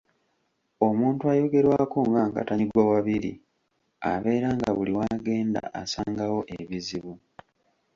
Omuntu ayogerwako nga Nkatannyigwawabiri abeera nga buli w’agenda asangawo ebizibu.